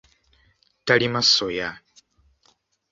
Talima soya.